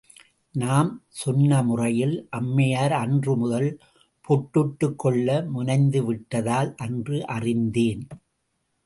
நாம் சொன்ன முறையில் அம்மையார் அன்று முதல் பொட்டிட்டுக் கொள்ள முனைந்து விட்டதால் என்று அறிந்தேன்.